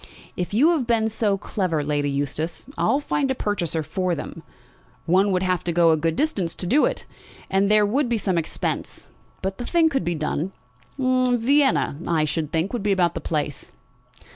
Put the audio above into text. "If you have been so clever, Lady Eustace, I'll find a purchaser for them. One would have to go a good distance to do it, and there would be some expense. But the thing could be done. Vienna, I should think, would be about the place."